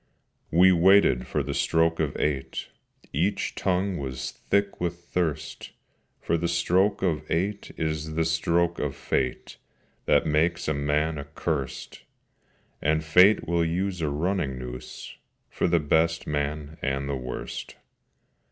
We waited for the stroke of eight: Each tongue was thick with thirst: For the stroke of eight is the stroke of Fate That makes a man accursed, And Fate will use a running noose For the best man and the worst.